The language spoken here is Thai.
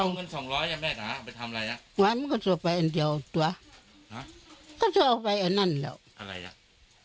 ว่ามันก็จะเอาไปอันเดียวตัวฮะก็จะเอาไปอันนั้นแล้วอะไรอ่ะ